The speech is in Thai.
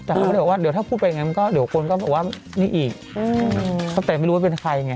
แต่เขาบอกว่าเดี๋ยวถ้าพูดแบบไงก็เดี๋ยวคนก็บอกว่านี่อีกแต่ไม่รู้ว่าเป็นใครไง